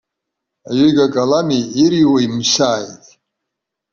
Аҩыга калами, ирҩыуеи мсааит.